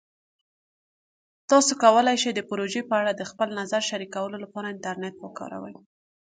تاسو کولی شئ د پروژې په اړه د خپل نظر شریکولو لپاره انټرنیټ وکاروئ.